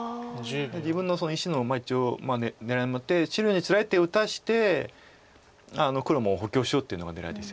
自分の石の一応狙いを持って白につらい手を打たして黒も補強しようっていうのが狙いですよね。